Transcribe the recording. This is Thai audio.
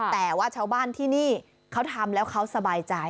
แต่ว่าชาวบ้านที่นี่เขาทำแล้วเขาสบายใจ